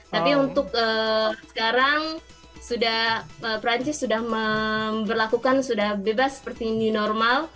tapi untuk sekarang perancis sudah memperlakukan sudah bebas seperti new normal